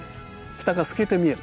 下が透けて見える